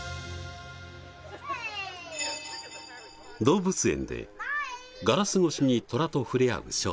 動物園でガラス越しにトラと触れ合う少女。